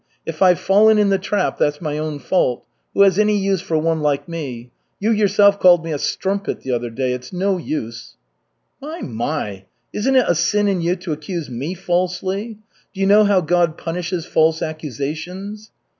If I've fallen in the trap, that's my own fault. Who has any use for one like me? You yourself called me a strumpet the other day. It's no use!" "My, my! Isn't it a sin in you to accuse me falsely? Do you know how God punishes false accusations?"